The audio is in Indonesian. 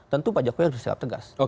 tentu pak jokowi harus siap tegas